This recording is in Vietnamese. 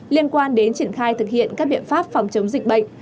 liên quan đến triển khai thực hiện các biện pháp phòng chống dịch bệnh